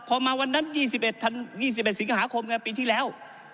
พอมาวันนั้น๒๑๒๑สิงหาคมไงปีที่แล้ว